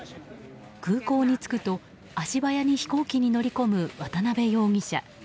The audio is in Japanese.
空港に着くと、足早に飛行機に乗り込む渡辺容疑者。